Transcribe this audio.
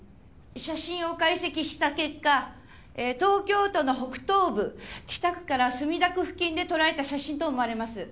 写真を解析した結果東京都の北東部北区から墨田区付近で撮られた写真と思われます。